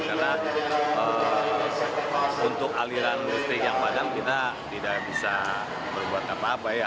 karena untuk aliran listrik yang padam kita tidak bisa berbuat apa apa ya